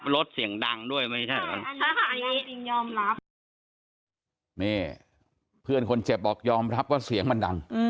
รถเสียงดังด้วยมั้ยใช่ไหมนี่เพื่อนคนเจ็บออกยอมรับว่าเสียงมันดัง